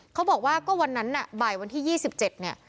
เขาบอกว่าก็วันนั้นน่ะบ่ายวันที่๒๗เนี่ย